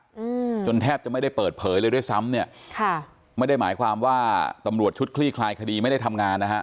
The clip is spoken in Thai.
อืมจนแทบจะไม่ได้เปิดเผยเลยด้วยซ้ำเนี้ยค่ะไม่ได้หมายความว่าตำรวจชุดคลี่คลายคดีไม่ได้ทำงานนะฮะ